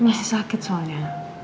masih sakit soalnya